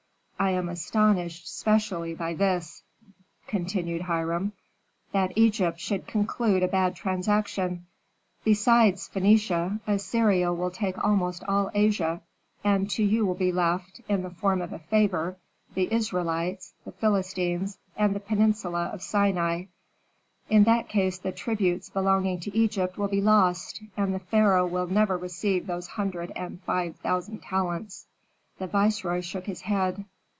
I am astonished specially by this," continued Hiram, "that Egypt should conclude a bad transaction: besides Phœnicia, Assyria will take almost all Asia, and to you will be left, in the form of a favor, the Israelites, the Philistines, and the peninsula of Sinai. In that case the tributes belonging to Egypt will be lost, and the pharaoh will never receive those hundred and five thousand talents." The viceroy shook his head.